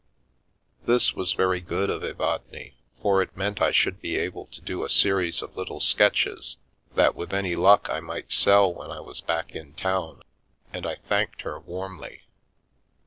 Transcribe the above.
This was very good of Evadne, for it meant I should be able to do a series of little sketches that with any luck I might sell when I was back in town, and I thanked her warmly.